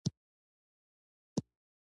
کور د شخصیت ښکارندوی دی.